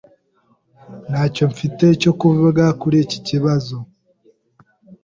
Ntacyo mfite cyo kuvuga kuri iki kibazo.